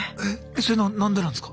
それ何でなんすか？